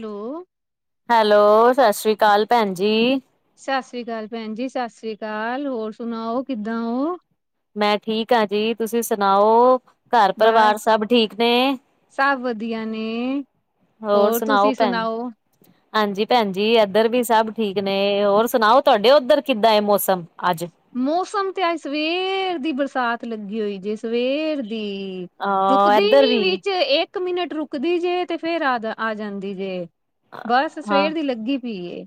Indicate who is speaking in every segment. Speaker 1: Hello
Speaker 2: hello, ਸਤਿ ਸ਼੍ਰੀ ਅਕਾਲ ਭੈਣ ਜੀ
Speaker 1: ਸਤਿ ਸ੍ਰੀ ਅਕਾਲ ਭੈਣ ਜੀ, ਸਤਿ ਸ੍ਰੀ ਅਕਾਲ, ਹੋਰ ਸੁਣਾਓ ਕਿੱਦਾਂ ਹੋ
Speaker 2: ਮੈਂ ਠੀਕ ਹਾਂ ਜੀ, ਤੁਸੀਂ ਸੁਣਾਓ, ਘਰ ਪਰਿਵਾਰ
Speaker 1: ਬਸ
Speaker 2: ਸਭ ਠੀਕ ਨੇ
Speaker 1: ਸਭ ਵਧੀਆ ਨੇ
Speaker 2: ਹੋਰ ਸੁਣਾਓ ਭੈਣ ਹਾਂਜੀ ਭੈਣਜੀ ਇੱਧਰ ਵੀ ਸਭ ਠੀਕ ਨੇ ਹੋਰ ਸੁਣਾਓ ਤੁਹਾਡੇ ਉੱਧਰ ਕਿੱਦਾਂ ਮੌਸਮ, ਅੱਜ
Speaker 1: ਮੌਸਮ ਤੇ ਅੱਜ ਸਵੇਰ ਦੀ ਬਰਸਾਤ ਲੱਗੀ ਹੋਈ ਜੇ ਸਵੇਰ ਦੀ
Speaker 2: ਅਹ
Speaker 1: ਰੁਕਦੀ
Speaker 2: ਇੱਧਰ
Speaker 1: ਨੀ
Speaker 2: ਵੀ
Speaker 1: ਵਿੱਚ ਏਕ ਇਕ ਮਿਨਟ ਰੁਕਦੀ ਜੇ ਤੇ ਫੇਰ ਆ ਆ ਜਾਂਦੀ ਜੇ, ਬਸ ਸਵੇਰ ਦੀ ਲੱਗੀ ਪਈ ਏ।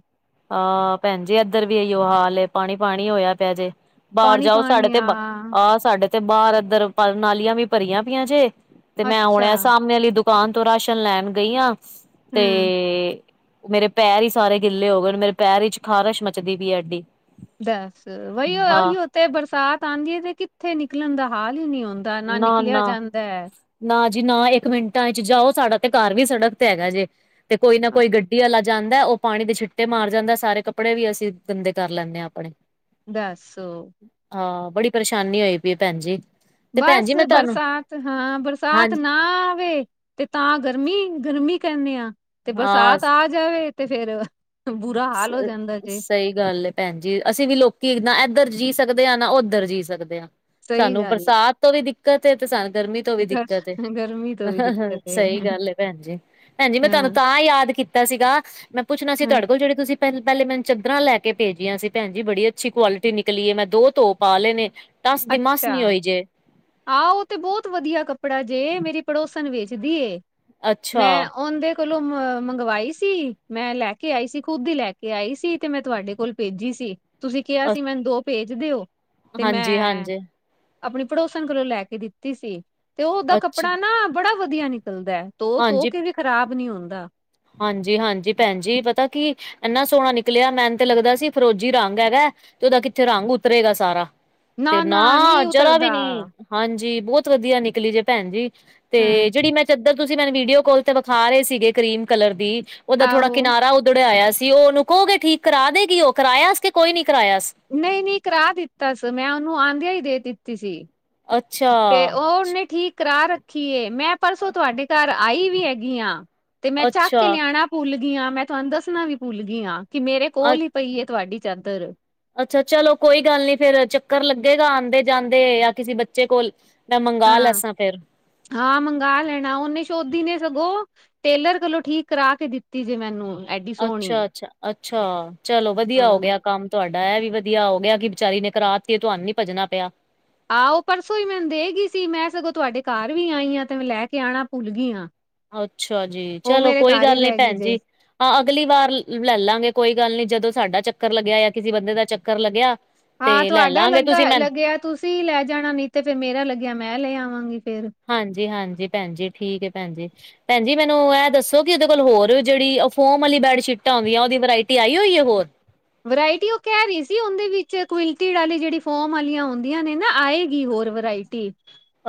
Speaker 2: ਆ ਭੈਣ ਜੀ ਐਧਰ ਵੀ ਇਹੀਓ ਹਾਲ ਏ ਪਾਣੀ ਪਾਣੀ ਹੋਇਆ ਪਿਆ ਜੇ। ਬਾਹਰ
Speaker 1: ਪਾਣੀ
Speaker 2: ਜਾਓ ਸਾਡੇ
Speaker 1: ਪਾਣੀ
Speaker 2: ਤੇ
Speaker 1: ਆ
Speaker 2: ਬਾ, ਆ ਸਾਡੇ ਤੇ ਬਾਹਰ ਐਧਰ ਪਰ ਨਾਲੀਆਂ ਵੀ ਭਰੀਆਂ ਪਈਆਂ ਜੇ ਤੇ ਮੈਂ ਹੁਣ
Speaker 1: ਅੱਛਾ
Speaker 2: ਐ ਸਾਹਮਣੇ ਵਾਲੀ ਦੁ ਦੁਕਾਨ ਤੋਂ ਰਾਸ਼ਨ ਲੈਣ ਗਈ ਆਂ,
Speaker 1: ਹਮ
Speaker 2: ਤੇ ਮੇਰੇ ਪੈਰ ਈ ਸਾਰੇ ਗਿੱਲੇ ਹੋ ਗਏ। ਮੇਰੇ ਪੈਰ ਚ ਖ਼ਾਰਸ਼ ਮੱਚਦੀ ਪੀ ਐ ਐਡੀ।
Speaker 1: ਬੱਸ ਵਹੀ
Speaker 2: ਹਾਂ
Speaker 1: ਓਹੀ ਓ ਤੇ ਬਰਸਾਤ ਆਂਉਦੀ ਹੈ ਤੇ ਕਿੱਥੇ ਨਿਕਲਣ ਦਾ ਹਾਲ ਈ ਨੀ ਹੁੰਦਾ। ਦਾ ਨਾ ਨਿਕਲਿਆ ਜਾਂਦਾ ਐ।
Speaker 2: ਨਾ ਜੀ ਨਾ ਇੱਕ ਮਿੰਟਾਂ ਵਿਚ ਜਾਓ ਸਾਡਾ ਤੇ ਘਰ ਵੀ ਸੜਕ ਤੇ ਹੈਗਾ ਜੇ, ਤੇ ਕੋਈ ਨਾ ਕੋਈ ਗੱਡੀ ਆਲਾ ਜਾਂਦਾ ਐ ਓਹ ਪਾਣੀ ਦੇ ਛਿੱਟੇ ਮਾਰ ਜਾਂਦਾ ਸਾਰੇ ਕੱਪੜੇ ਵੀ ਅਸੀ ਗੰਦੇ ਕਰ ਲੈਂਦੇ ਆਂ ਅਪਣੇ।
Speaker 1: ਦੱਸੋ।
Speaker 2: ਹਾਂ ਬੜੀ ਪਰੇਸ਼ਾਨੀ ਹੋਈ ਪਈ ਏ ਭੈਣ ਜੀ। ਤੇ ਭੈਣ
Speaker 1: ਬਸ
Speaker 2: ਜੀ ਮੈਂ ਤੁਹਾਨੂੰ
Speaker 1: ਬਰਸਾਤ ਹਾਂ ਬਰਸਾਤ
Speaker 2: ਹਾਂਜੀ
Speaker 1: ਨਾ ਨਾ ਆਵੇ, ਤੇ ਤਾਂ ਗਰਮੀ, ਗਰਮੀ ਕਹਿੰਦੇ ਆ ਤੇ
Speaker 2: ਹਾਂ
Speaker 1: ਬਰਸਾਤ ਆ ਜਾਵੇ ਤੇੇ ਫੇਰ ਬੁਰਾ ਹਾਲ ਹੋ ਜਾਂਦਾ ਜੇ
Speaker 2: ਸਹੀ ਗੱਲ ਹੈ ਭੈਣ ਜੀ, ਅਸੀਂ ਵੀ ਲੋਕੀ ਨਾ ਇੱਧਰ ਜੀਅ ਸਕਦੇ ਹਾਂ ਨਾ ਉੱਧਰ ਜੀ ਸਕਦੇ ਹਾਂ
Speaker 1: ਸਹੀ
Speaker 2: ਸਾਨੂੰ
Speaker 1: ਗੱਲ
Speaker 2: ਬਰਸਾਤ ਤੋਂ ਵੀ ਦਿੱਕਤ ਹੈ ਤੇ ਸਾਨੂੰ ਗਰਮੀ ਤੋ
Speaker 1: ਹੈ,
Speaker 2: ਵੀ ਦਿੱਕਤ ਏ।
Speaker 1: ਗਰ ਗਰਮੀ ਤੋਂ ਵੀ ਦਿੱਕਤ ਏ
Speaker 2: ਸਹੀ ਗੱਲ ਏ ਭੈਣ ਜੀ। ਭੈਣ ਜੀ ਮੈਂ ਤੁਹਾਨੂੰ
Speaker 1: ਹਾਂ
Speaker 2: ਤਾਂ ਯਾਦ ਕੀਤ ਤਾ ਸੀਗਾ ਮੈਂ ਪੁੱਛਣਾ ਸੀ
Speaker 1: ਹਾਂ
Speaker 2: ਤੁਹਾਡੇ ਕੋਲ ਜਿਹੜੀ ਤੁਸੀ ਪਹਿ ਪਹਿਲੇ ਮੈਨੂੰ ਚਦਰਾਂ ਲੈ ਕੇ ਭੇਜੀਆਂ ਸੀ ਭੈਣ ਜੀ ਬੜੀ ਅੱਛੀ ਕੁਆਲਿਟੀ ਨਿਕਲੀ ਏ ਮੈਂ ਦੋ ਧੋ ਪਾ ਲੇ ਨੇ, ਟੱਸ ਦੀ ਮਸ ਨੀ ਹੋਈ ਜੇ।
Speaker 1: ਆ ਓਹ ਤੇ ਬਹੁਤ ਵਧੀਆ ਕੱਪੜਾ ਜੇ ਮੇਰੀ ਪੜੋਸਨ ਵੇਚਦੀ ਏ,
Speaker 2: ਅੱਛਾ
Speaker 1: ਮੈਂ ਔਂਦੇ ਕੋਲੋਂ ਮ ਮੰਗਵਾਈ ਸੀ ਮੈਂ ਲੈ ਕੇ ਆਈ ਸੀ ਖੁਦ ਈ ਲੈ ਕੇ ਆਈ ਸੀ ਤੇ ਮੈਂ ਤੁਹਾਡੇ ਕੋਲ ਭੇਜੀ ਸੀ। ਤੁਸੀ ਕਿਹਾ ਸੀ ਮੈਨੂੰ ਦੋ ਭੇਜ ਦਿਓ, ਤੇ
Speaker 2: ਹਾਂਜੀ
Speaker 1: ਮੈਂ
Speaker 2: ਹਾਂਜੀ
Speaker 1: ਅਪਣੀ ਪੜੋਸ ਪੜੋਸਨ ਕੋਲੋਂ ਲੈ ਕੇ ਦਿੱਤੀ ਸੀ, ਤੇ ਓਹਦਾ
Speaker 2: ਅੱਛਾ
Speaker 1: ਕੱਪੜਾ ਨਾ ਬੜਾ ਵਧੀਆ ਨਿਕਲਦਾ ਐ ਧੋ- ਧੋ ਕੇ ਵੀ ਖ਼ਰਾਬ ਨੀ ਹੁੰਦਾ।
Speaker 2: ਹਾਂਜੀ- ਹਾਂਜੀ ਭੈਣ ਜੀ। ਪਤਾ ਕੀ ਐਨਾ ਸੋਹਣਾ ਨਿਕਲਿਆ ਮੈਨ ਤੇ ਲੱਗਦਾ ਸੀ ਫਰੋਜੀ ਰੰਗ ਹੈਗਾ ਤੇ ਓਦਾ ਕਿੱਥੇ ਰੰਗ ਉਤਰੇਗਾ ਸਾਰਾ। ਤੇ ਨਾ, ਜਰਾ ਵੀ ਨਹੀ। ਹਾਂਜੀ ਬਹੁਤ ਵਧੀਆ ਨਿਕਲੀ ਜੇ ਭੈਣ ਜੀ। ਤੇ
Speaker 1: ਹੈਂ
Speaker 2: ਜਿਹੜੀ ਮੈਂ ਚਦੱਰ ਤੁਸੀ ਮੈਨੂੰ ਵੀਡੀਓ ਕੋਲ ਤੇ ਵਿਖਾ ਰਹੇ ਸੀਗੇ ਕਰੀਮ ਕਲਰ ਦੀ। ਓਦਾ ਥੋੜਾ
Speaker 1: ਆਹੋ
Speaker 2: ਕਿਨਾਰਾ ਉਧੜਿਆ ਹੋਇਆ ਸੀ ਓ ਓਹਨੂੰ ਕਹੋਗੇ ਠੀਕ ਕਰਾ ਦੇਗੀ ਓ? ਕਰਾਇਆ ਸ ਕੇ ਕੋਈ ਨੀ ਕਰਾਇਆ ਸ।
Speaker 1: ਨਹੀ- ਨਹੀ ਕਰਾ ਦਿੱਤਾ ਸ ਮੈਂ ਓਨੂੰ ਆਂਉਦਿਆਂ ਈ ਦੇ ਦਿੱਤੀ ਸੀ।
Speaker 2: ਅੱਛਾ।
Speaker 1: ਤੇ ਓ ਉਹਨੇ ਠੀਕ ਕਰਾ ਰੱਖੀ ਏ, ਮੈਂ ਪਰਸੋਂ ਤੁਹਾਡੇ ਘਰ ਆਈ ਵੀ ਹੈਗੀ ਆਂ। ਤੇ ਮੈਂ ਚੱਕ ਕੇ ਲਿਆਣਾ ਭੁੱਲਗੀ ਆਂ ਮੈਂ ਤੁਹਾਨੂੰ ਦੱਸਣਾ ਵੀ ਭੁੱਲਗੀ ਆਂ ਕਿ ਮੇਰੇ
Speaker 2: ਅ
Speaker 1: ਕੋਲ ਈ ਪਈਏ ਤੁਹਾਡੀ ਚਾਦਰ।
Speaker 2: ਅੱਛਾ ਚਲੋ ਕੋਈ ਗੱਲ ਨੀ ਫੇਰ ਚੱਕਰ ਲੱਗੇਗਾ ਆਂਉਦੇ ਜਾਂਦੇ ਜਾਂ ਕਿਸੇ ਬੱਚੇ ਕੋਲ ਮੈਂ ਮੰਗਾ
Speaker 1: ਹਾਂ
Speaker 2: ਲੈੱਸਾਂ ਫੇਰ।
Speaker 1: ਹਾਂ ਮੰਗਾ ਲੈਣਾ ਓਨੇ ਸੋ਼ਧੀ ਨੇ ਸਗੋਂ ਟੇਲਰ ਕੋਲੋਂ ਠੀਕ ਕਰਾ ਕੇ ਦਿੱਤੀ ਜੇ ਮੈਨੂੰ। ਐਡੀ ਸੋਹਣੀ।
Speaker 2: ਅੱਛਾ, ਅੱਛ, ਅੱਛਾ ਚਲੋ ਵਧੀਆ ਹੋ
Speaker 1: ਹਾਂ
Speaker 2: ਗਿਆ ਕੰਮ। ਤੁਹਾਡਾ ਐ ਵੀ ਵਧੀਆ ਹੋ ਗਿਆ ਕਿ ਵਿਚਾਰੀ ਨੇ ਕਰਾਤੀ ਤੁਹਾਨੂੰ ਨੀ ਭੱਜਣਾ ਪਿਆ।
Speaker 1: ਆਹ ਓ ਪਰਸੋਂ ਹੀ ਮੈਨੂੰ ਦੇ ਗਈ ਸੀ ਮੈਂ ਸਗੋਂ ਤੁਹਾਡੇ ਘਰ ਵੀ ਆਈ ਆਂ ਤੇ ਮੈਂ ਲੈ ਕੇ ਆਉਣਾ ਭੁੱਲ ਗਈ ਆਂ।
Speaker 2: ਅੱਛਾ ਜੀ। ਚਲੋ ਕੋਈ ਗੱਲ ਨੀ
Speaker 1: ਰਹਿ ਗਈ
Speaker 2: ਭੈਣ ਜੀ।
Speaker 1: ਜੇ
Speaker 2: ਹਾਂ ਅਗਲੀ ਵਾਰ ਲੈ ਲਵਾਂਗੇ ਕੋਈ ਗੱਲ ਨੀ ਜਦੋਂ ਸਾਡਾ ਚੱਕਰ ਲੱਗਿਆ ਜਾਂ ਕਿਸੇ ਬੰਦੇ ਦਾ ਚੱਕਰ ਲੱਗਿਆ। ਤੇ
Speaker 1: ਹਾਂ,
Speaker 2: ਲੈ
Speaker 1: ਤੁਹਾਡਾ
Speaker 2: ਲਾਂਗੇ
Speaker 1: ਲੱਗਾ
Speaker 2: ਤੁਸੀਂ ਮੈਨੂੰ
Speaker 1: ਲੱਗਿਆ ਤੁਸੀ ਲੈ ਜਾਣਾ ਨਈ ਤੇ ਫੈਰ ਮੇਰਾ ਲੱਗਿਆ ਮੈਂ ਲੈ ਆਵਾਂਗੀ ਫੇਰ।
Speaker 2: ਹਾਂਜੀ ਹਾਂਜੀ, ਭੈਣ ਜੀ ਠੀਕ ਏ ਭੈਣ ਜੀ। ਭੈਣਜੀ ਮੈਨੂੰ ਐ ਦੱਸੋ ਕਿ ਓਹਦੇ ਕੋਲ ਹੋਰ ਜੇਹੜੀ ਅ ਫੋਮ ਵਾਲੀ ਬੈਡਸ਼ੀਟਾਂ ਹੁਂਦੀਆਂ ਓਹਦੀ ਵਰਾਇਟੀ ਆਈ ਹੋਈ ਆ ਹੋਰ।
Speaker 1: ਵਰਾਇਟੀ ਉਹ ਕਹਿ ਰਹੀ ਸੀ ਉਹਦੇ ਵਿੱਚ ਕੁਵੇਨਟੀਠ ਵਾਲੀ ਜਿਹੜੀ ਫੋਮ ਵਾਲੀ ਹੁੰਦੀਆਂ ਨੇ ਨਾ ਆਏਗੀ ਹੋਰ ਵਰਾਇ ਟੀ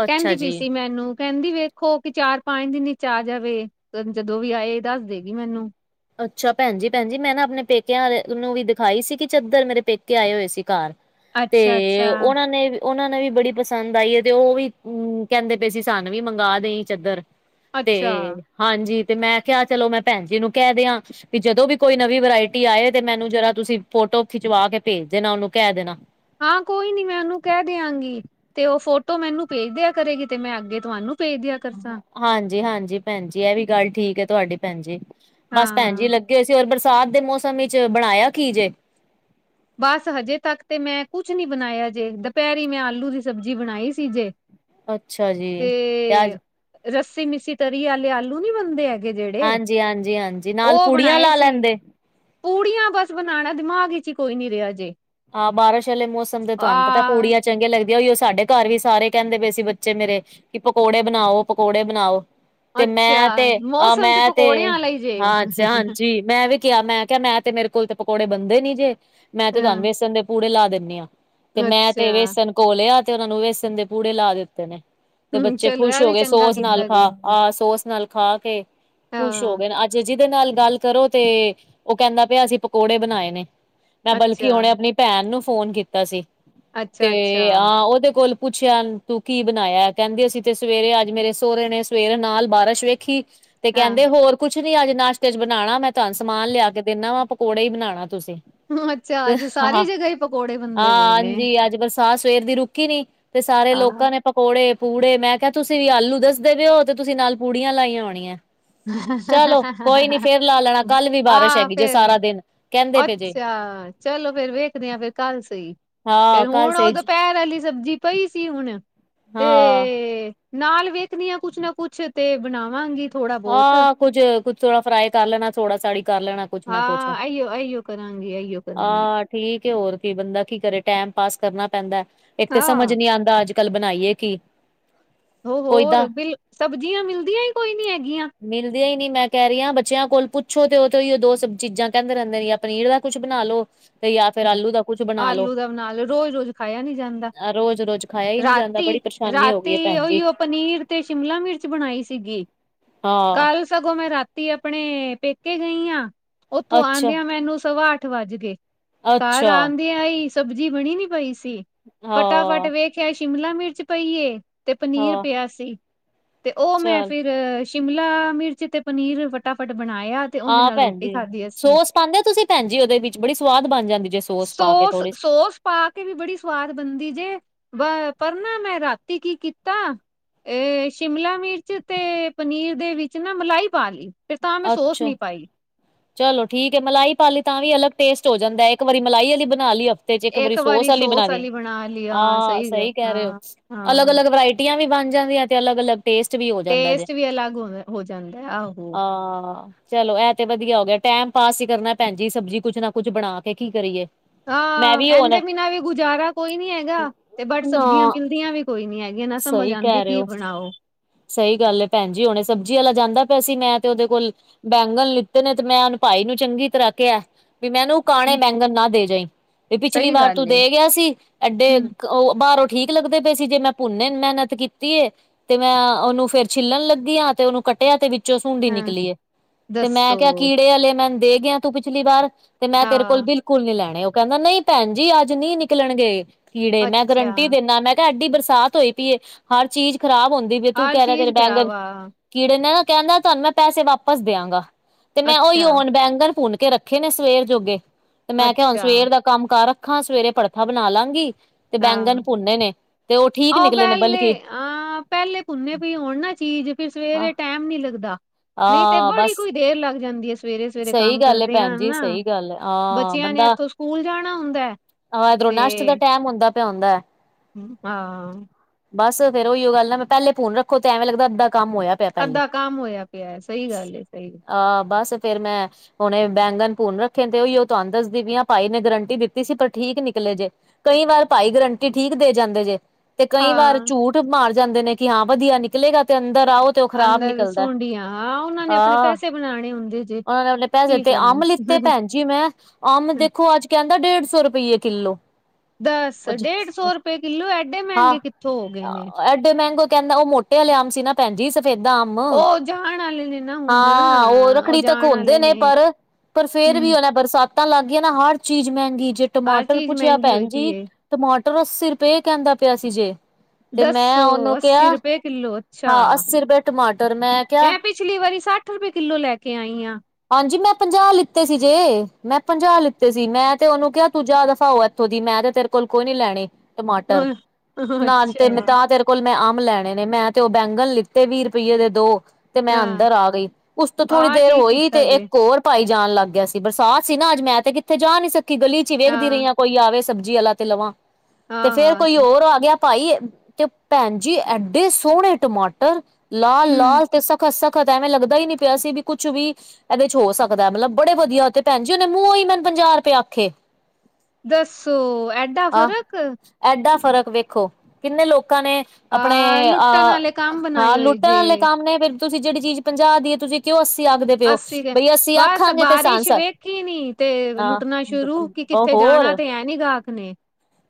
Speaker 2: ਅੱਛਾ
Speaker 1: ਕਹਿੰਦੀ ਪਈ
Speaker 2: ਜੀ।
Speaker 1: ਸੀ ਮੈਨੂੰ ਕਹਿੰਦੀ ਵੇਖੋ ਕਿ ਚਾਰ ਪੰਜ ਦਿਨ ਵਿਚ ਆ ਜਾਵੇ ਜਦੋਂ ਵੀ ਆਏ ਦੱਸ ਦੇਗੀ ਮੈਨੂੰ
Speaker 2: ਅੱਛਾ ਭੈਣਜੀ ਭੈਣ ਜੀ ਮੈਂ ਨਾ ਆਪਣੇ ਪੇਕਿਆਂ ਨੂੰ ਵੀ ਦਿਖਾਈ ਸੀ ਕਿ ਚਾਦਰ ਮੇਰੇ ਪੇਕੇ ਆਏ ਹੋਏ ਸੀ ਘਰ ਤੇ
Speaker 1: ਅੱਛਾ ਅੱਛਾ
Speaker 2: ਉਹਨਾਂ ਨੇ ਉਹਨਾਂ ਨੇ ਵੀ ਬੜੀ ਪਸੰਦ ਆਈ ਐ ਤੇ ਉਹ ਵੀ ਕਹਿੰਦੇ ਪਏ ਸੀ ਸਾਨੂੰ ਵੀ ਮੰਗਵਾ ਦੇਈ ਚੱਦਰ ਤੇ
Speaker 1: ਅੱਛਾ
Speaker 2: ਹਾਂਜੀ ਤੇ ਮੈਂ ਕਿਹਾ ਚਲੋ ਮੈਂ ਭੈਣ ਜੀ ਨੂੰ ਕਹਿ ਦਿਆਂ ਵੀ ਜਦੋਂ ਵੀ ਕੋਈ ਨਵੀਂ ਵਰਾਇਟੀ ਆਏ ਤੇ ਮੈਨੂੰ ਜਰਾ ਤੁਸੀਂ ਫੋਟੋ ਖਿਚਵਾ ਕੇ ਭੇਜ ਦੇਣਾ ਉਹਨੂੰ ਕਹਿ ਦੇਣਾ
Speaker 1: ਹਾਂ, ਕੋਈ ਨੀ ਮੈਂ ਉਹਨੂੰ ਕਹਿ ਦਿਆਂਗੀ ਤੇ ਉਹ ਫੋਟੋ ਮੈਨੂੰ ਭੇਜ ਦਿਆ ਕਰੇਗੀ ਤੇ ਮੈਂ ਅੱਗੇ ਤੁਹਾਨੂੰ ਭੇਜ ਦਿਆ ਕਰਨਾ
Speaker 2: ਹਾਂਜੀ-ਹਾਂਜੀ ਭੈਣ ਜੀ ਇਹ ਵੀ ਗੱਲ ਠੀਕ ਐ ਤੁਹਾਡੀ ਭੈਣ ਜੀ ਬਸ ਭੈਣ ਜੀ
Speaker 1: ਹਾਂ
Speaker 2: ਲੱਗੇ ਕਿ ਅਸੀਂ ਹੋਰ ਬਰਸਾਤ ਦੇ ਮੌਸਮ ਵਿੱਚ ਬਣਾਇਆ ਕੀ ਜੇ
Speaker 1: ਬਸ ਹਜੇ ਤੱਕ ਤੇ ਮੈਂ ਕੁਛ ਨੀ ਬਣਾਇਆ ਜੇ ਦੁਪਹਿਰੀ ਮੈਂ ਆਲੂ ਦੀ ਸਬਜ਼ੀ ਬਣਾਈ ਸੀ ਜੇ
Speaker 2: ਅੱਛਾ ਜੀ ਤੇ ਅੱਜ
Speaker 1: ਰੱਸੀ ਮਿੱਸੀ ਤਰੀ ਆਲੇ ਆਲੂ ਨੀ ਬਣਦੇ ਐ ਜਿਹੜੇ
Speaker 2: ਹਾਂਜੀ ਹਾਂਜੀ ਹਾਂਜੀ ਨਾਲ
Speaker 1: ਓ
Speaker 2: ਪੂੜੀਆਂ
Speaker 1: ਬਣਾਏ
Speaker 2: ਲਾ
Speaker 1: ਸੀ।
Speaker 2: ਲੈਂਦੇ
Speaker 1: ਪੂੜੀਆਂ ਬਸ ਬਣਾਣਾ ਦਿਮਾਗ ਵਿੱਚ ਈ ਕੋਈ ਨੀ ਰਿਹਾ ਜੇ।
Speaker 2: ਹਾਂ ਬਾਰਿਸ਼ ਵਾਲੇ ਮੌਸਮ ਦੇ ਤੁਹਾਨੂੰ ਪਤਾ
Speaker 1: ਆਹ
Speaker 2: ਪੂੜੀਆਂ ਚੰਗੀਆਂ ਲੱਗਦੀਆਂ ਉਈ ਉਹ ਸਾਡੇ ਘਰ ਵੀ ਸਾਰੇ ਕਹਿੰਦੇ ਪਏ ਸੀ ਬੱਚੇ ਮੇਰੇ ਕਿ ਪਕੌੜੇ ਬਣਾਓ ਪਕੌੜੇ ਬਣਾਓ ਤੇ
Speaker 1: ਅੱਛਾ
Speaker 2: ਮੈਂ ਤੇ ਆ
Speaker 1: ਮੌਸਮ
Speaker 2: ਮੈਂ ਤੇ
Speaker 1: ਪਕੌੜਿਆਂ ਵਾਲਾ ਹੀ ਜੇ
Speaker 2: ਹਾਂ ਹਾਂਜੀ ਮੈਂ ਵੀ ਕਿਹਾ ਮੈਂ ਕਿਹਾ ਮੈਂ ਤੇ ਮੇਰੇ ਕੋਲ ਤੇ ਪਕੌੜੇ ਬਣਦੇ ਨੀ ਜੇ ਮੈਂ ਤੇ ਤੁਹਾਨੂੰ
Speaker 1: ਹਾਂ
Speaker 2: ਵੇਸਨ ਦੇ ਪੂੜੇ ਲਾ ਦੀਨੀ ਆ ਤੇ ਮੈਂ ਤੇ
Speaker 1: ਅੱਛਾ
Speaker 2: ਵੇਸਣ ਘੋਲਿਆ ਤੇ ਉਹਨਾਂ ਨੂੰ ਵੇਸਨ ਦੇ ਪੂੜੇ ਲਾ ਦਿੱਤੇ ਨੇ ਤੇ
Speaker 1: ਹਮ
Speaker 2: ਬੱਚੇ
Speaker 1: ਚਲੋ
Speaker 2: ਖੁਸ਼
Speaker 1: ਇਹ
Speaker 2: ਹੋ
Speaker 1: ਵੀ
Speaker 2: ਗਏ
Speaker 1: ਚੰਗਾ
Speaker 2: ਸੋਸ ਨਾਲ
Speaker 1: ਕੀਤਾ
Speaker 2: ਖਾ
Speaker 1: ਜੇ
Speaker 2: ਆਹ ਸੋਸ ਨਾਲ ਖਾ ਕੇ ਖੁਸ਼ ਹੋ
Speaker 1: ਹਾਂ
Speaker 2: ਗਏ ਅੱਜ ਜੇ ਜਿਹਦੇ ਨਾਲ ਗੱਲ ਕਰੋ ਤੇ ਉਹ ਕਹਿੰਦਾ ਪਿਆ ਅਸੀਂ ਪਕੌੜੇ ਬਣਾਏ ਨੇ ਮੈਂ ਬਲਕਿ
Speaker 1: ਅੱਛਾ
Speaker 2: ਉਹਨੇ ਆਪਣੀ ਭੈਣ ਨੂੰ ਫੋਨ ਕੀਤਾ ਸੀ ਤੇ
Speaker 1: ਅੱਛਾ-ਅੱਛਾ,
Speaker 2: ਆ ਉਹਦੇ ਕੋਲ ਪੁੱਛਿਆ ਤੂੰ ਕੀ ਬਣਾਇਆ ਕਹਿੰਦੀ ਅਸੀਂ ਤੇ ਸਵੇਰੇ ਅੱਜ ਮੇਰੇ ਸਹੁਰੇ ਨੇ ਸਵੇਰੇ ਨਾਲ ਬਾਰਿਸ਼ ਵੇਖੀ ਤੇ
Speaker 1: ਹਾਂ
Speaker 2: ਕਹਿੰਦੇ ਹੋਰ ਕੁਛ ਨੀ ਅੱਜ ਨਾਸ਼ਤੇ ਚ ਬਣਾਣਾ ਮੈਂ ਤੁਹਾਨੂੰ ਸਮਾਨ ਲਿਆ ਕੇ ਦੀਨਾ ਵਾਂ ਪਕੌੜੇ ਹੀ ਬਣਾਣਾ ਤੁਸੀਂ
Speaker 1: ਅੱਛਾ ਅੱਜ ਸਾਰੀ ਜਗ੍ਹਾ ਪਕੌੜੇ ਬਣਦੇ
Speaker 2: ਹਾਂ
Speaker 1: ਪਏ ਨੇ।
Speaker 2: ਹਾਂਜੀ ਅੱਜ ਬਰਸਾਤ ਸਵੇਰ ਦੀ ਰੁਕੀ ਨੀ ਤੇ ਸਾਰੇ
Speaker 1: ਆਹ
Speaker 2: ਲੋਕਾਂ ਨੇ ਪਕੌੜੇ ਪੂੜੇ ਮੈਂ ਕਿਹਾ ਤੁਸੀਂ ਵੀ ਆਲੂ ਦੱਸਦੇ ਪਏ ਓ ਤੇ ਤੁਸੀਂ ਨਾਲ ਪੂੜੀਆਂ ਲਾਈਆਂ ਹੋਣੀਆਂ ਚਲੋ ਕੋਈ ਨੀ ਫੇਰ ਲਾ ਲੈਣਾ ਕੱਲ ਵੀ ਬਾਰਿਸ਼
Speaker 1: ਆਹ
Speaker 2: ਹੈਗੀ ਜੇ
Speaker 1: ਫੇਰ
Speaker 2: ਸਾਰਾ ਦਿਨ ਕਹਿੰਦੇ ਪਏ ਜੇ
Speaker 1: ਅੱਛਾ ਚਲੋ ਫੇਰ ਵੇਖਦੇ ਹਾਂ ਫਿਰ ਕੱਲ ਸਹੀ ਫੇਰ
Speaker 2: ਹਾਂ ਕੱਲ
Speaker 1: ਹੁਣ ਓਹ
Speaker 2: ਸਹੀ
Speaker 1: ਦੁਪਹਿਰ ਵਾਲੀ ਸਬਜ਼ੀ ਪਈ ਸੀ ਹੁਣ
Speaker 2: ਹਾਂ
Speaker 1: ਤੇ ਨਾਲ ਵੇਖਨੀ ਆ ਕੁਛ ਨਾ ਕੁਛ ਤੇ ਬਣਾਵਾਂਗੀ ਥੋੜਾ ਬਹੁਤ।
Speaker 2: ਹਾਂ ਕੁੱਝ ਕੁੱਛ ਥੋੜਾ ਫਰਾਈ ਕਰ ਲੈਣਾ ਸੋੜਾ ਸਾੜੀ ਕਰ ਲੈਣਾ ਕੁਛ ਨਾ ਕੁਛ
Speaker 1: ਹਾਂ, ਇਹੀਓ ਇਹੀਓ ਕਰੂਗੀ ਇਹੀਓ ਕਰੂਗੀ
Speaker 2: ਆਹ ਠੀਕ ਹੋਰ ਕੀ ਬੰਦਾ ਕੀ ਕਰੇ ਟੈਮ ਪਾਸ ਕਰਨਾ ਪੈਂਦਾ ਇੱਕ ਤਾਂ ਸਮਝ
Speaker 1: ਹਾਂ।
Speaker 2: ਨਹੀ ਆਂਦਾ ਅੱਜ ਕੱਲ ਬਣਾਈਏ ਕੀ
Speaker 1: ਹੋ ਹੋਰ
Speaker 2: ਕੋਈਦਾ
Speaker 1: ਬਿਲ ਸਬਜ਼ੀਆਂ ਮਿਲਦੀਆਂ ਹੀ ਕੋਈ ਨੀ ਹੈਗੀਆਂ
Speaker 2: ਮਿਲਦੀਆਂ ਹੀ ਨੀ ਮੈਂ ਕਹਿ ਰਹੀ ਹਾਂ ਬੱਚਿਆਂ ਕੋਲ ਪੁੱਛੋ ਤੇ ਉਹ ਤੋਂ ਓਹੀਓ ਦੋ ਸ ਚੀਜ਼ਾਂ ਕਹਿੰਦੇ ਰਹਿੰਦੇ ਨੇ ਪਨੀਰ ਦਾ ਕੁਛ ਬਣਾ ਲੋ ਤੇ ਜਾਂ ਫਿਰ ਆਲੂ ਦਾ ਕੁੱਝ ਬਣਾ ਲੋ
Speaker 1: ਆਲੂ ਦਾ ਬਣਾ ਲੋ ਰੋਜ਼-ਰੋਜ਼ ਖਾਇਆ ਨੀ ਜਾਂਦਾ।
Speaker 2: ਰੋਜ਼ ਰੋਜ਼ ਖਾਇਆ ਹੀ ਨਹੀਂ ਜਾਂਦਾ
Speaker 1: ਰਾਤੀ
Speaker 2: ਬੜੀ ਪਰੇਸ਼ਾਨੀ ਹੋ ਗਈ ਹੈ
Speaker 1: ਰਾਤੀ
Speaker 2: ਭੈਣ ਜੀ
Speaker 1: ਉਹੀਓ ਪਨੀਰ ਤੇ ਸ਼ਿਮਲਾ ਮਿਰਚ ਬਣਾਈ ਸੀਗੀ
Speaker 2: ਹਾਂ
Speaker 1: ਕੱਲ ਸਗੋਂ ਮੈਂ ਰਾਤੀ ਆਪਣੇ ਪੇਕੇ ਗਈ ਹਾਂ ਉੱਥੋਂ
Speaker 2: ਅੱਛਾ
Speaker 1: ਆਉਂਦਿਆਂ ਮੈਨੂੰ ਸਵਾ ਅੱਠ ਵੱਜ ਗਏ। ਘਰ
Speaker 2: ਅੱਛਾ
Speaker 1: ਆਂਦਿਆਂ ਹੀ ਸਬਜ਼ੀ ਬਣੀ ਨੀ ਪਈ ਸੀ ਫਟਾਫਟ
Speaker 2: ਹਾਂ
Speaker 1: ਵੇਖ ਮੈ ਕਿਆ ਸ਼ਿਮਲਾ ਮਿਰਚ ਪਈ ਏ ਤੇ ਪਨੀਰ
Speaker 2: ਹਾਂ
Speaker 1: ਪਿਆ ਸੀ ਤੇ ਉਹ ਮੈਂ
Speaker 2: ਚੱਲ
Speaker 1: ਫਿਰ। ਸ਼ਿਮਲਾ ਮਿਰਚ ਤੇ ਪਨੀਰ ਫਟਾਫਟ ਬਣਾਇਆ ਤੇ ਉਹਦੇ ਨਾਲ ਰੋਟੀ ਖਾਧੀ ਅਸੀਂ।
Speaker 2: ਪਾਦੇ ਹੋ ਤੁਸੀਂ ਭੈਣਜੀ ਉਹਦੇ ਵਿੱਚ ਬੜੀ ਸਵਾਦ ਬਣ ਜਾਂਦੀ। ਜਿਸ
Speaker 1: ਸੋਸ-ਸੋਸ ਪਾਕੇ ਵੀ ਬੜੀ ਸਵਾਦ ਬਣਦੀ ਜੇ ਵ ਪਰ ਨਾ ਮੈਂ ਰਾਤੀ ਕੀ ਕੀਤਾ। ਇਹ ਸ਼ਿਮਲਾ ਮਿਰਚ ਤੇ ਪਨੀਰ ਦੇ ਵਿੱਚ ਨਾ ਮਲਾਈ ਪਾ ਲਈ। ਫਿਰ ਤਾਂ ਮੈਂ ਸੋਸ
Speaker 2: ਅੱਛਾ
Speaker 1: ਨਹੀਂ ਪਾਈ
Speaker 2: ਚਲੋ ਠੀਕ ਹੈ। ਮਲਾਈ ਪਾ ਲਈ ਤਾਂ ਵੀ ਅਲੱਗ ਟੇਸਟ ਹੋ ਜਾਂਦਾ। ਇੱਕ ਵਾਰੀ ਮਲਾਈ ਵਾਲੀ ਬਣਾ ਲਈ ਚ ਇੱਕ ਵਾਰੀ ਵਿੱਚ ਸੋਸ ਵਾਲੀ ਬਣਾ ਦੀ ਹਾਂ ਸਹੀ ਕਹਿ ਰਹੇ ਹੋ। ਅਲੱਗ-ਅਲੱਗ ਵਰਾਇਟੀ ਟੀਆਂ ਵੀ ਬਣ ਜਾਂਦੀਆਂ ਤੇ ਅਲੱਗ-ਅਲੱਗ। ਟੇਸਟ ਵੀ ਹੋ। ਜਾਂਦਾ ਜੇ
Speaker 1: ਟੇਸਟ ਵੀ ਅਲੱਗ ਹੋ ਜਾਂਦਾ ਆਹੋ।
Speaker 2: ਹਾਂ। ਚਲੋ ਇਹ ਤੇ ਵਧੀਆ ਹੋ ਗਿਆ ਟੈਮ ਪਾਸ ਹੀ ਕਰਨਾ ਭੈਣ ਜੀ ਸਬਜ਼ੀ ਕੁਛ ਨਾ ਕੁਝ ਬਣਾ ਕੇ ਕੀ ਕਰੀਏ। ਮੈਂ
Speaker 1: ਹਾਂ
Speaker 2: ਵੀ
Speaker 1: ਏਦੇ
Speaker 2: ਹੁਣ
Speaker 1: ਬਿਨਾਂ ਵੀ ਗੁਜ਼ਾਰਾ ਕੋਈ ਨੀ ਹੈਗਾ ਤੇ ਬਟ
Speaker 2: ਨਾ
Speaker 1: ਸਬਜ਼ੀਆਂ ਮਿਲਦੀਆਂ ਵੀ ਕੋਈ ਨੀ ਹੈਗੀਆ। ਨਾ ਸਮਝ
Speaker 2: ਸਹੀ
Speaker 1: ਆਉਂਦੀ ਆ
Speaker 2: ਕਹਿ ਰਹੇ
Speaker 1: ਕੀ
Speaker 2: ਹੋ
Speaker 1: ਬਣਾਓ।
Speaker 2: ਸਹੀ ਗੱਲ ਹੈ ਭੈਣ ਜੀ ਹੁਣੇ ਸਬਜ਼ੀ ਵਾਲਾ ਜਾਂਦਾ ਪਿਆ ਸੀ। ਮੈਂ ਤੇ ਉਹਦੇ ਕੋਲ ਬੈਂਗਣ ਲਿੱਤੇ ਨੇ ਤੇ ਮੈਂ ਭਾਈ ਨੂੰ ਚੰਗੀ ਤਰ੍ਹਾਂ ਕਿਹਾ ਵੀ ਮੈਂਨੂੰ। ਕਾਣੇ ਬੈਂਗਣ ਨਾ ਦੇ ਜਾਈ ਵੀ ਪਿਛਲੀ
Speaker 1: ਸਹੀ
Speaker 2: ਵਾਰ ਤੂੰ
Speaker 1: ਗੱਲ ਏ
Speaker 2: ਦੇ ਗਿਆ ਸੀ।
Speaker 1: ਹਮ
Speaker 2: ਐਡੇ- ਉਹ ਬਾਹਰੋਂ ਠੀਕ ਲੱਗਦੇ ਪਏ ਸੀ ਜੇ ਮੈਂ ਭੁਨੇ ਮਿਹਨਤ ਕੀਤੀ ਏ। ਤੇ ਮੈਂ ਉਹਨੂੰ ਫੇਰ ਛਿੱਲਣ ਲੱਗੀ ਹਾ ਤੇ ਉਹਨੂੰ ਕੱਟਿਆ। ਤੇ ਵਿਚੋਂ ਸੁੰਡੀ
Speaker 1: ਹਾਂ
Speaker 2: ਨਿਕਲੀ ਏ ਤੇ ਮੈਂ
Speaker 1: ਦੱਸੋ
Speaker 2: ਕਿਹਾ ਕੀੜੇ ਆਲੇ ਮੈਨੂੰ ਦੇ ਗਿਆ ਤੂੰ ਪਿਛਲੀ ਵਾਰ ਤੇ ਮੈਂ ਤੇਰੇ ਕੋਲ
Speaker 1: ਹਾਂ
Speaker 2: ਬਿਲਕੁਲ ਨੀ ਲੈਣੇ ਉਹ ਕਹਿੰਦਾ ਨਹੀਂ ਭੈਣ ਜੀ ਅੱਜ ਨਹੀਂ ਨਿਕਲਣ ਗੇ। ਕੀੜੇ ਮੈਂ
Speaker 1: ਅੱਛਾ
Speaker 2: ਗਰੰਟੀ ਦਿੰਦਾ ਮੈਂ ਕਿਹਾ ਐਡੀ ਬਰਸਾਤ ਹੋਈ ਪਈਏ ਹਰ ਚੀਜ਼ ਖਰਾਬ ਹੁੰਦੀ। ਤੂੰ
Speaker 1: ਹਰ
Speaker 2: ਕਹਿ ਰਿਹਾ ਤੇਰੇ
Speaker 1: ਚੀਜ਼
Speaker 2: ਬੈਂਗਣ।
Speaker 1: ਖ਼ਰਾਬ ਆ
Speaker 2: ਕੀੜੇ ਨੇ ਕਹਿੰਦਾ ਤੁਹਾਨੂੰ ਮੈਂ ਪੈਸੇ ਵਾਪਸ ਦਿਆਂਗਾ ਤੇ ਮੈਂ ਉਹ
Speaker 1: ਅੱਛਾ,
Speaker 2: ਹੁਣ ਬੈਂਗਰ ਭੁਨ ਕੇ ਰੱਖ। ਰੱਖੇ ਨੇ ਸਵੇਰ ਜੋਗੇ ਤੇ ਮੈਂ ਕਿਹਾ ਹੁਣ
Speaker 1: ਅੱਛਾ
Speaker 2: ਸਵੇਰ ਦਾ ਕੰਮ ਕਰ ਰੱਖਾਂ ਸਵੇਰੇ ਭੜਥਾ ਬਣਾ ਲਾਂਗੀ। ਤੇ
Speaker 1: ਹਾਂ
Speaker 2: ਬੈਂਗਨ ਭੁੰਨੇ ਨੇ ਤੇ ਉਹ ਠੀਕ
Speaker 1: ਆਹੋ
Speaker 2: ਨਿਕਲੇ ਨੇ
Speaker 1: ਪਹਿਲੇ
Speaker 2: ਬਲਕਿ।
Speaker 1: ਹਾਂ ਪਹਿਲੇ ਭੁੰਨੇ ਪਈ ਹੋਣ ਨਾ ਚੀਜ਼ ਫਿਰ
Speaker 2: ਹਾਂ
Speaker 1: ਸਵੇਰੇ ਟਾਈਮ ਨੀ ਲੱਗਦਾ। ਨਹੀਂ ਤੇ
Speaker 2: ਹਾਂ
Speaker 1: ਬੜੀ
Speaker 2: ਬਸ
Speaker 1: ਕੋਈ ਦੇਰ ਲੱਗ ਜਾਂਦੀ ਹੈ। ਸਵੇਰੇ-ਸਵੇਰੇ
Speaker 2: ਸਹੀ
Speaker 1: ਕੰਮ
Speaker 2: ਗੱਲ ਹੈ
Speaker 1: ਕਰਦੇ ਆ
Speaker 2: ਭੈਣ ਜੀ
Speaker 1: ਹਨਾਂ।
Speaker 2: ਸਹੀ ਗੱਲ ਹੈ ਹਾਂ
Speaker 1: ਬੱਚਿਆਂ ਨੇ ਇੱਥੋਂ ਸਕੂਲ ਜਾਣਾ ਹੁੰਦਾ ਹੈ।
Speaker 2: ਹਾਂ ਇਧਰੋਂ ਨਾਸ਼ਤੇ ਦਾ
Speaker 1: ਤੇ
Speaker 2: ਟਾਈਮ ਹੁੰਦਾ ਪਿਆ ਹੁੰਦਾ।
Speaker 1: ਹਾਂ
Speaker 2: ਬਸ ਫੇਰ ਉਹੀਓ ਗੱਲ ਨਾ ਮੈਂ ਪਹਿਲੇ ਭੁੰਨ ਰੱਖੋ ਤੇ ਐਵੇਂ ਲੱਗਦਾ ਅੱਦਾਂ ਕੰਮ ਹੋਇਆ ਹੋਇਆ ਪਿਆ ਪਹਿਲੇ
Speaker 1: ਅੱਧਾ ਕੰਮ ਹੋਇਆ ਪਿਆ ਹੈ। ਸਹੀ ਗੱਲ ਏ ਸਹੀ ਗੱਲ।
Speaker 2: ਆਹ ਬਸ ਫੇਰ ਮੈਂ। ਹੁਣ ਇਹ ਬੈਂਗਨ ਭੂਨ ਰੱਖੇ ਤੇ ਉ ਉਹ ਤੁਹਾਨੂੰ ਦੱਸਦੀ ਵੀ ਆ ਭਾਈ ਨੇ ਗਰੰਟੀ ਦਿੱਤੀ ਸੀ ਪਰ ਠੀਕ ਨਿਕਲੇ ਜੇ। ਕਈ ਵਾਰ ਭਾਈ ਗਰੰਟੀ ਠੀਕ ਦੇ ਜਾਂਦੇ ਜੇ। ਤੇ ਕਈ ਵਾਰ
Speaker 1: ਹਾਂ
Speaker 2: ਝੂਠ ਮਾਰ ਜਾਂਦੇ ਨੇ। ਕਿ ਹਾਂ ਵਧੀਆ ਨਿਕਲੇਗਾ ਤੇ ਅੰਦਰ ਆਓ। ਤੇ ਉਹ ਖ਼ਰਾਬ
Speaker 1: ਅੰਦਰ
Speaker 2: ਨਿਕਲਦਾ
Speaker 1: ਸੁੰਡੀਆਂ ਹਾਂ ਉਹਨਾਂ ਨੇ ਆਪਣੇ
Speaker 2: ਆ
Speaker 1: ਪੈਸੇ ਬਣਾਣੇ ਹੁੰਦੇ ਜੇ
Speaker 2: ਉਹਨਾਂ ਨੇ ਆਪਣੇ ਪੈਸੇ
Speaker 1: ਕੀ
Speaker 2: ਤੇ
Speaker 1: ਕਰਨ
Speaker 2: ਅੰਬ ਲਿੱਤੇ ਭੈਣ। ਜੀ ਮੈਂ ਅੰਬ ਦੇਖੋ ਅੱਜ ਕਹਿੰਦਾ ਡੇਢ ਸੌ ਰੁਪਈਏ ਕਿੱਲੋ।
Speaker 1: ਦੱਸ ਡੇਢ ਸੌ ਰੁਪਏ ਕਿੱਲੋ, ਐਡੇ
Speaker 2: ਹਾਂ
Speaker 1: ਮਹਿੰਗੇ ਕਿੱਥੋਂ ਹੋ ਗਏ ਨੇ।
Speaker 2: ਐਡੇ ਮਹਿੰਗੋ। ਕਹਿੰਦਾ ਉਹ ਮੋਟੇ ਵਾਲੇ ਅੰਬ ਸੀ ਨਾ ਭੈਣ ਜੀ। ਸਫੇਦਾ ਅੰਬ
Speaker 1: ਉਹ ਜਾਣ ਆਲੇ ਨੇ ਨਾ ਹੁਣ
Speaker 2: ਹਾਂ ਉਹ ਰੱਖੜੀ ਤਕ
Speaker 1: ਜਾਣ ਆਲੇ
Speaker 2: ਹੁੰਦੇ ਨੇ ਪਰ। ਪਰ ਫੇਰ ਵੀ
Speaker 1: ਹੂੰ।
Speaker 2: ਉਹਨੇ ਬਰਸਾਤਾਂ ਲੱਗ ਗਈਆਂ ਨਾ ਹਰ ਚੀਜ਼ ਮਹਿੰਗੀ ਜੇ
Speaker 1: ਹਰ
Speaker 2: ਟਮਾਟਰ
Speaker 1: ਚੀਜ਼
Speaker 2: ਪੁੱਛਿਆ
Speaker 1: ਮਹਿੰਗੀ
Speaker 2: ਭੈਣ
Speaker 1: ਹੋਈ ਪਈ
Speaker 2: ਜੀ।
Speaker 1: ਏ
Speaker 2: ਟਮਾਟਰ ਅੱਸੀ ਰੁਪਏ ਕਹਿੰਦਾ ਪਿਆ ਸੀ ਜੇ। ਤੇ ਮੈਂ
Speaker 1: ਦੱਸੋ
Speaker 2: ਉਹਨੂੰ ਕਿਹਾ
Speaker 1: ਅੱਸੀ ਰੁਪਏ ਕਿਲੋ ਅੱਛਾ।
Speaker 2: ਮਟਰ ਮੈਂ। ਕਿਹਾ
Speaker 1: ਮੈਂ ਪਿਛਲੀ ਵਾਰੀ ਸੱਠ ਰੁਪਏ ਕਿੱਲੋ ਲੈ ਕੇ ਆਈ ਆ।
Speaker 2: ਹਾਂਜੀ ਮੈਂ ਪੰਜਾਹ ਲਿੱਤੇ ਸੀ ਜੇ ਮੈਂ ਪੰਜਾਹ ਲਿੱਤੇ ਸੀ ਮੈਂ ਤੇ ਉਹਨੂੰ ਕਿਹਾ ਤੂੰ ਜਾ ਦਫਾ ਹੋ ਇਥੋਂ। ਉਥੋਂ ਦੀ ਮੈਂ ਤੇ ਤੇਰੇ ਕੋਲ ਕੋਈ ਨੀ ਲੈਣੇ ਟਮਾਟਰ ਨਾ ਤੈਨ
Speaker 1: ਅੱਛਾ
Speaker 2: ਤਾਂ ਤੇਰੇ ਕੋਲ ਕੋਲ ਮੈਂ ਅੰਮ ਲੈਣੇ ਨੇ ਮੈਂ ਤੇ ਓ ਬੈਂਗਨ ਲਿੱਤੇ ਵੀਹ ਰੁਪਈਏ ਦੇ ਦੋ। ਤੇ ਮੈਂ
Speaker 1: ਹਾਂ
Speaker 2: ਅੰਦਰ ਆ ਗਈ ਉਸ ਤੋਂ ਥੋੜ੍ਹੀ
Speaker 1: ਆਹ
Speaker 2: ਦੇਰ
Speaker 1: ਠੀਕ
Speaker 2: ਹੋਈ ਤੇ
Speaker 1: ਕੀਤਾ
Speaker 2: ਇੱਕ
Speaker 1: ਜੇ
Speaker 2: ਹੋਰ ਭਾਈ ਜਾਣ ਲੱਗ ਗਿਆ ਸੀ ਬਰਸਾਤ ਸੀ ਨਾ ਅੱਜ ਮੈਂ ਤੇ ਕਿੱਥੇ ਜਾ ਨੀ ਸ ਕੀ ਗਲੀ ਚ ਈ ਵੇਖਦੀ ਰਹੀ ਹਾਂ ਕੋਈ ਆਵੇ ਸਬਜ਼ੀ ਆਲਾ ਤੇ ਲਵਾਂ ਤੇ ਫੇਰ
Speaker 1: ਹਾਂ-ਹਾਂ
Speaker 2: ਕੋਈ ਹੋਰ ਆ ਗਿਆ। ਭਾਈ ਤੇ ਭੈਣ ਜੀ ਐਡੇ ਸੋਣੇ ਟਮਾਟਰ
Speaker 1: ਹੂੰ
Speaker 2: ਲਾਲ-ਲਾਲ ਤੇ ਸਖਤ ਸ ਖਤ ਐਵੇੈਂ ਲੱਗਦਾ ਈ ਨੀ ਪਿਆ ਸੀ ਵੀ ਕੁੱਛ ਵੀ ਐਦੇ ਚ ਹੋ ਸਕਦਾ ਮਤਲਬ ਬੜੇ ਵਧੀਆ ਤੇ ਭੈਣ ਜੀ ਓਨੇ ਮੂੰਹੋਂ ਹੀ ਮੈਨੂੰ ਪੰਜਾਹ ਰੁਪਏ ਆਖੇ।
Speaker 1: ਦੱਸੋ ਐਡਾ
Speaker 2: ਆਹ
Speaker 1: ਫ਼ਰਕ।
Speaker 2: ਐਡਾ ਫਰਕ ਵੇਖੋ ਕਿੰਨੇ ਲੋਕਾਂ ਨੇ ਆਪਣੇ
Speaker 1: ਹਾਂ
Speaker 2: ਅ
Speaker 1: ਲੁੱਟਣ ਆਲੇ ਕੰਮ ਬਣਾਏ
Speaker 2: ਹਾਂ
Speaker 1: ਹੋਏ
Speaker 2: ਲੁੱਟਣ ਆਲੇ
Speaker 1: ਜੇ
Speaker 2: ਕੰਮ ਨੇ ਫਿਰ ਤੁਸੀਂ ਜਿਹੜੀ ਚੀਜ਼ ਪੰਜਾਹ ਦੀ ਏ ਤੁਸੀਂ ਕਿਉਂ ਅੱਸੀ ਆਖਦੇ ਪਏ ਓ
Speaker 1: ਅੱਸੀ ਦੇ
Speaker 2: ਬਈ ਅਸੀਂ
Speaker 1: ਬਸ
Speaker 2: ਆਖਾਂਗੇ ਤੇ
Speaker 1: ਬਾਰਿਸ਼
Speaker 2: ਸਾਂਸ
Speaker 1: ਵੇਖੀ ਨੀ ਤੇ ਲੁੱਟਣਾ ਸ਼ੁਰੂ ਕਿ
Speaker 2: [unintelligible]
Speaker 1: ਕਿੱਥੇ ਜਾਣਾ ਤੇ ਐ ਨੀ ਗਾਹਕ ਨੇ।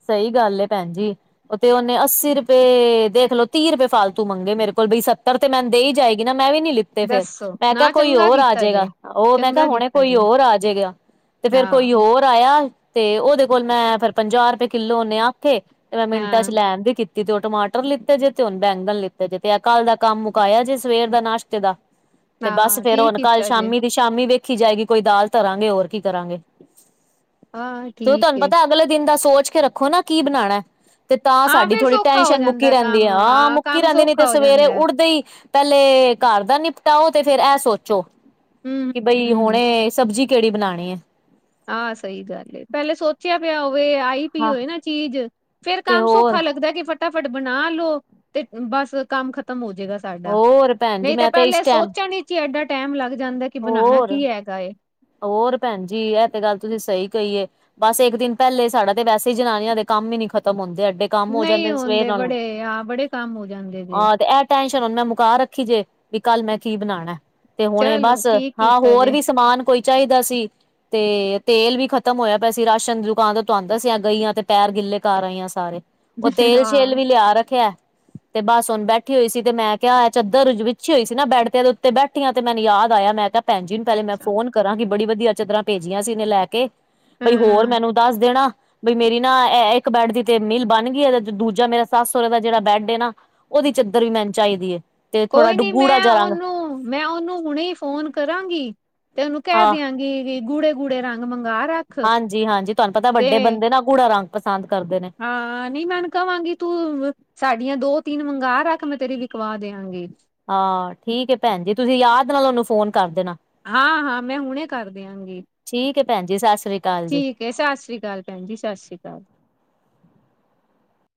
Speaker 2: ਸਈ ਗੱਲ ਐ ਭੈਣ ਜੀ। ਓ ਤੇ ਓਨੇ ਅੱਸੀ ਰੁਪਏ ਦੇਖਲੋ ਤੀਹ ਰੁਪਏ ਫਾਲਤੂ ਮੰਗੇ ਮੇਰੇ ਕੋਲ ਬੀ ਸੱਤਰ ਤੇ ਮੈਂ ਦੇ ਈ ਜਾਏਗੀ ਨਾ ਮੈਂ ਵੀ ਨੀ ਲਿੱ ਤੇ ਫੇਰ
Speaker 1: ਦੱਸੋ
Speaker 2: ਮੈਂ ਕਾ
Speaker 1: ਨਾ
Speaker 2: ਕੋਈ
Speaker 1: ਚੰਗਾ
Speaker 2: ਓਰ
Speaker 1: ਕੀਤਾ
Speaker 2: ਅਜੇਗਾ
Speaker 1: ਜੇ
Speaker 2: ਓ ਮੈਂ ਕਾ
Speaker 1: ਚੰਗਾ
Speaker 2: ਹੁਣ
Speaker 1: ਕੀਤਾ
Speaker 2: ਕੋਈ
Speaker 1: ਜੇ
Speaker 2: ਹੋਰ ਆ ਜੇਗਾ। ਤੇ ਫੇਰ ਕੋਈ
Speaker 1: ਹਾਂ
Speaker 2: ਹੋਰ, ਆਇਆ ਤੇ ਉਹਦੇ ਕੋਲ ਮੈਂ ਫੇਰ ਪੰਜਾਹ ਰੁਪਏ ਕਿੱਲੋ ਉਹਨੇ ਆਖੇ ਤੇ ਮੈਂ ਮਿੰਟਾਂ ਚ
Speaker 1: ਹਾਂ
Speaker 2: ਲੈਣ ਵੀ ਕੀਤੀ ਤੇ ਉਹ ਟਮਾਟਰ ਲਿੱਤੇ ਜੇ ਤੇ ਉਹੁ ਬੈਂਗਣ ਲਿੱਤੇ ਜੇ ਤੇ ਕੱਲ ਦਾ ਕੰਮ ਮੁਕਾਇਆ ਜੇ ਸਵੇਰ ਦਾ ਨਾਸ਼ਤੇ ਦਾ ਤੇ ਬਸ
Speaker 1: ਹਾਂ
Speaker 2: ਫੇਰ
Speaker 1: ਠੀਕ
Speaker 2: ਹੁਣ ਕੱਲ
Speaker 1: ਕੀਤਾ ਜੇ
Speaker 2: ਸ਼ਾਮੀ ਦੀ ਸ਼ਾਮੀ ਵੇਖੀ ਜਾਏਗੀ ਕੋਈ ਦਾਲ ਧਰਾਂਗੇ ਹੋਰ ਕੀ ਕਰਾਂਗੇ
Speaker 1: ਹਾਂ
Speaker 2: ਓ
Speaker 1: ਠੀਕ
Speaker 2: ਤੁਹਾਨੂੰ
Speaker 1: ਏ
Speaker 2: ਪਤਾ ਅਗਲੇ ਦਿਨ ਦਾ ਸੋਚ ਕੇ ਰੱਖੋ ਨਾ ਕੀ ਬਣਾਣਾ ਤੇ ਤਾਂ
Speaker 1: ਹਾਂ
Speaker 2: ਸਾਡੀ
Speaker 1: ਫੇਰ
Speaker 2: ਥੋੜ੍ਹੀ
Speaker 1: ਸੌਖਾ ਹੋ
Speaker 2: ਟੈਨਸ਼ਨ ਮੁੱਕੀ
Speaker 1: ਜਾਂਦਾ
Speaker 2: ਰਹਿੰਦੀ
Speaker 1: ਕੰਮ
Speaker 2: ਆ
Speaker 1: ਹਾਂ
Speaker 2: ਮੁੱਕੀ
Speaker 1: ਕੰਮ
Speaker 2: ਰਹਿੰਦੀ ਨਈ ਤੇ
Speaker 1: ਸੌਖਾ ਹੋ
Speaker 2: ਸਵੇਰੇ
Speaker 1: ਜਾਂਦਾ
Speaker 2: ਉੱਠਦੇ ਈ ਪੈਲੇ ਘਰ ਦਾ ਨਿਪਟਾਓ ਤੇ ਫੇਰ ਐ ਸੋਚੋ
Speaker 1: ਹਮ
Speaker 2: ਕਿ ਬਈ
Speaker 1: ਹਮ
Speaker 2: ਹੁਣੇ ਸਬਜ਼ੀ ਕਿਹੜੀ ਬਣਾਣੀ ਐ।
Speaker 1: ਆ ਸਈ ਗੱਲ ਏ ਪਹਿਲੇ ਸੋ ਚਿਆ ਪਿਆ ਹੋਵੇ ਆਈ ਪੀ
Speaker 2: ਹਾਂ
Speaker 1: ਹੋਵੇ ਨਾ ਚੀਜ਼ ਫੇਰ
Speaker 2: ਤੇ
Speaker 1: ਕੰਮ
Speaker 2: ਹੋਰ
Speaker 1: ਸੌਖਾ ਲੱਗਦਾ ਕਿ ਫ ਫਟਾਫਟ ਬਣਾ ਲੋ ਤੇ ਬਸ ਕੰਮ ਖਤਮ ਹੋਜੇਗਾ। ਸਾਡਾ
Speaker 2: ਹੋਰ ਭੈਣ ਜੀ
Speaker 1: ਨਈ ਤੇ
Speaker 2: ਮੈਂ
Speaker 1: ਪਹਿਲਾ
Speaker 2: ਇਸ ਟਾਈਮ
Speaker 1: ਸੋਚਣ ਈ ਚੀ ਐਡਾ ਟੈਮ ਲੱਗ ਜਾਂਦਾ ਕੀ ਬਣਾਣਾ
Speaker 2: ਹੋਰ
Speaker 1: ਕੀ ਹੈਗਾ ਏ।
Speaker 2: ਹੋਰ ਭੈਣ ਜੀ ਐ ਤੇ ਗੱਲ ਤੁਸੀਂ ਸਈ ਕਈ ਏ। ਬਸ ਇੱਕ ਦਿਨ ਪਹਿਲੇ ਸਾਡਾ ਤੇ ਵੈਸੇ ਹੀ ਜਨਾਨੀਆਂ ਦੇ ਕੰਮ ਈ ਨੀ ਖਤਮ ਹੁੰਦੇ ਐਡੇ ਕੰਮ ਹੋ
Speaker 1: ਨਹੀਂ
Speaker 2: ਜਾਂਦੇ ਸਵੇਰ
Speaker 1: ਹੁੰਦੇ
Speaker 2: ਨਾਲ
Speaker 1: ਬੜੇ ਹਾਂ ਬੜੇ ਕੰਮ ਹੋ ਜਾਂਦੇ ਜੇ
Speaker 2: ਆ ਤੇ ਐ ਟੈਂਸ਼ਨ ਹੁਣ ਮੈਂ ਮੁਕਾ ਰੱਖੀ ਜੇ ਵੀ ਕੱਲ ਮੈਂ ਕੀ ਬਣਾਣਾ ਤੇ ਹੁਣੇ
Speaker 1: ਚਲੋ
Speaker 2: ਬਸ
Speaker 1: ਠੀਕ
Speaker 2: ਹਾਂ
Speaker 1: ਕੀਤਾ
Speaker 2: ਹੋਰ
Speaker 1: ਜੇ
Speaker 2: ਵੀ ਸ ਸਮਾਨ ਕੋਈ ਚਾਈਦਾ ਸੀ। ਤੇ ਤੇਲ ਵੀ ਖਤਮ ਹੋਇਆ ਪਿਆ ਸੀ ਰਾਸ਼ਨ ਦੀ ਦੁਕਾਨ ਤੋਂ ਆਂਦਾ ਸੀ ਗਈਆਂ ਤੇ ਪੈਰ ਗਿੱਲੇ ਕਰ ਆਈ ਆ ਸਾਰੇ। ਓ ਤੇਲ ਸ਼ੇਲ
Speaker 1: ਹਾਂ
Speaker 2: ਵੀ ਲਿਆ ਰੱਖਿਆ। ਤੇ ਬਸ ਹੁਣ ਬੈਠੀ ਹੋਈ ਸੀ ਤੇ ਮੈਂ ਕਿਆ ਏ ਚਾਦਰ ਵਿੱਛੀ ਹੋਈ ਸੀ ਨਾ ਬੈਠੀ ਆ ਉੱਤੇ ਬੈਠੀ ਆਂ ਤੇ ਮੈਨੂੰ ਯਾਦ ਲਾਇਆ ਮੈਂ ਤਾਂ ਭੈਣਜੀ ਨੂੰ ਪਹਿਲੇ ਮੈਂ
Speaker 1: ਅੱਛਾ
Speaker 2: ਫੋਨ ਕਰਾਂਗੀ ਬੜੀ ਵਧੀਆ ਚੱਦਰਾਂ ਭੇਜੀਆਂ ਸੀ ਏਨੇ ਲੈ ਕੇ। ਵੀ
Speaker 1: ਹਾਂ
Speaker 2: ਹੋਰ
Speaker 1: ਹਾਂ
Speaker 2: ਮੈਨੂੰ ਦੱਸ ਦੇਣਾ। ਬਈ ਮੇਰੀ ਨਾ ਇੱਕ ਬੈਡ ਦੀ ਤੇ ਮਿਲ ਬਣ ਗਈ ਦੂਜਾ ਮੇਰਾ ਸੱਸ ਸੋਰੇ ਦਾ ਜਿਹੜਾ ਬੈਡ ਏ ਨਾ। ਓਦੀ ਚਾਦਰ ਵੀ ਮੈਨੂੰ ਚਾਈਦੀ ਏ ਤੇ ਥੋੜਾ
Speaker 1: ਕੋਈ
Speaker 2: ਡੁ
Speaker 1: ਨੀ
Speaker 2: ਗੂੜਾ
Speaker 1: ਮੈਂ
Speaker 2: ਜਾ ਰੰਗ
Speaker 1: ਉਹਨੂੰ ਮੈਂ ਓਨੂੰ ਹੁਣੇ ਈ ਫੋਨ ਕਰਾਂਗੀ ਤੇ ਓਨੂੰ ਕਹਿ
Speaker 2: ਹਾਂ
Speaker 1: ਦਿਆਂਗੀ ਵੀ ਗੂੜੇ ਗੂੜੇ ਰੰਗ ਮੰਗ ਰਾ
Speaker 2: ਹਾਂਜੀ-ਹਾਂਜੀ ਤੁਹਾਨੂੰ ਪਤਾ ਵੱਡੇ ਬੰਦੇ ਨਾ ਗੂੜਾ ਰੰਗ ਪਸੰਦ ਕਰਦੇ ਨੇ।
Speaker 1: ਹਾਂ ਨੀ ਮੈਂ ਓਨੂੰ ਕਵਾਂਗੀ ਤੂੰ ਸਾਡੀਆਂ ਦੋ ਤਿੰਨ ਮੰਗਾ ਰੱਖ ਮੈਂ ਤੇਰੀ ਵਿਕਵਾ ਦਿਆਂਗੀ।
Speaker 2: ਆ ਠੀਕ ਐ ਭੈਣ ਜੀ ਤੁਸੀਂ ਯਾਦ ਨਾਲ ਓਨੂੰ ਫੋਨ ਕਰ ਦੇਣਾ।
Speaker 1: ਹਾਂ-ਹਾਂ ਮੈਂ ਹੁਣੇ ਕਰ ਦਿਆਂਗੀ
Speaker 2: ਠੀਕ ਹੈ ਭੈਣ ਜੀ ਸਤਿ ਸ੍ਰੀ ਅਕਾਲ ਜੀ
Speaker 1: ਠੀ ਕੇ ਸਤਿ ਸ਼੍ਰੀ ਕਾਲ ਭੈਣ ਜੀ ਸਤਿ ਸ਼੍ਰੀ ਕਾਲ।